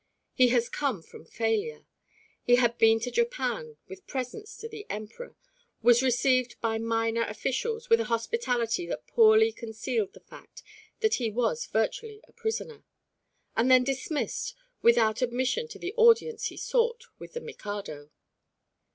He has come from failure. He had been to Japan with presents to the emperor, was received by minor officials with a hospitality that poorly concealed the fact that he was virtually a prisoner, and then dismissed without admission to the audience he sought with the mikado.